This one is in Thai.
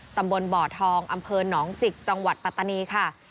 ตำบลบ่อทองอำเภอหนองจิกจังหวัดปัตตานีค่ะ